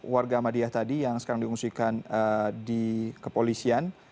warga ahmadiyah tadi yang sekarang diungsikan di kepolisian